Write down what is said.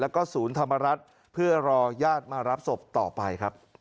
แล้วก็ศูนย์ธรรมรัฐเพื่อรอญาติมารับศพต่อไปครับ